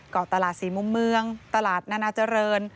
ตลาดสี่มุมเมืองตลาดนานาเจริญ